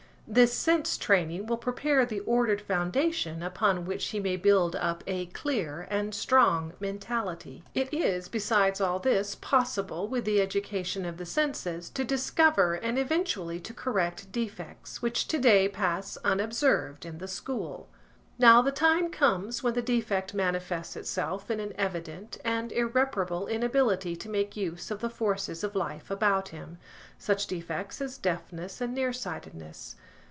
This sense training will prepare the ordered foundation upon which he may build up a clear and strong mentality. It is, besides all this, possible with the education of the senses to discover and eventually to correct defects which to day pass unobserved in the school. Now the time comes when the defect manifests itself in an evident and irreparable inability to make use of the forces of life about him. (Such defects as deafness and near sightedness.)